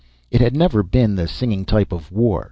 It had never been the singing type of war.